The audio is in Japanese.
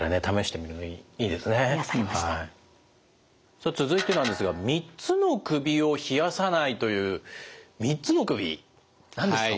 さあ続いてなんですが「３つの首を冷やさない」という３つの首何ですか？